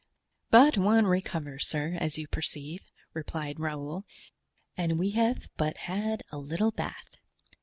"But one recovers, sir, as you perceive," replied Raoul, "and we have but had a little bath."